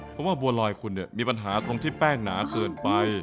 เพราะว่าบัวลอยคุณเนี่ยมีปัญหาตรงที่แป้งหนาเกินไป